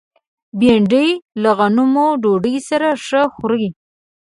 بېنډۍ له غنمو ډوډۍ سره ښه خوري